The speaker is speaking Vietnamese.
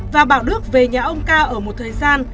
và bảo đức về nhà ông ca ở một thời gian